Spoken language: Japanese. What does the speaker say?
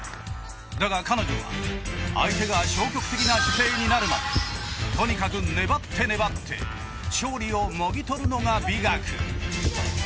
だが彼女は相手が消極的な姿勢になるまでとにかく粘って粘って勝利をもぎ取るのが美学。